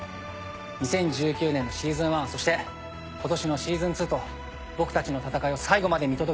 ２０１９年のシーズン１そして今年のシーズン２と僕たちの闘いを最後まで見届けていただき